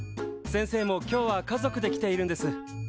先生も今日は家族で来ているんです。